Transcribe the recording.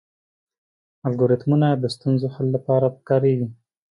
الګوریتمونه د ستونزو حل لپاره کارېږي.